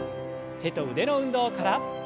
手と腕の運動から。